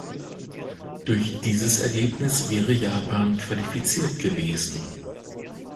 Durch dieses Ergebnis wäre Japan qualifiziert gewesen.